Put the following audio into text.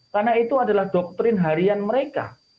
karena itu adalah doktrin harian mereka